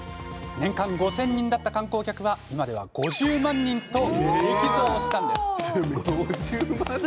年間５０００人だった観光客は今では５０万人と激増したんです。